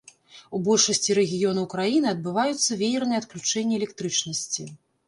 У большасці рэгіёнаў краіны адбываюцца веерныя адключэнні электрычнасці.